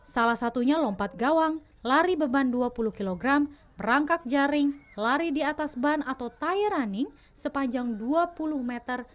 salah satunya lompat gawang lari beban dua puluh kg merangkak jaring lari di atas ban atau tyer running sepanjang dua puluh meter